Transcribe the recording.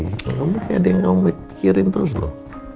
kamu kayak ada yang mikirin terus loh